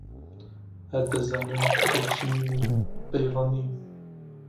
هەر دەزانن گوڵ چنین و بەی ڕنین